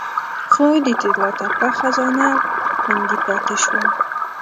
خو د طلا تپه خزانه خوندي پاتې شوه